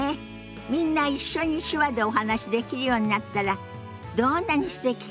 みんな一緒に手話でお話しできるようになったらどんなにすてきかしら。